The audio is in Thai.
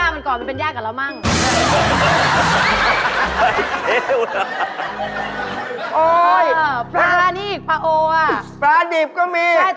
อ้าโดยเชียดลาเม้งได้กินยังไง